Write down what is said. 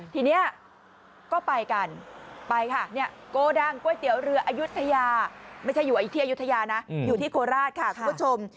ทีนี้ก็ไปกันไปค่ะโกดังก๋วยเตี๋ยวเรืออายุทยาไม่ใช่อยู่ที่อายุทยานะอยู่ที่โคราชค่ะคุณผู้ชม